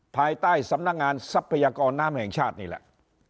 ภายใต้สำนักงานทรัพยากรน้ำแห่งชาตินี่แหละ